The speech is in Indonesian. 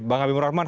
bang habibur rahman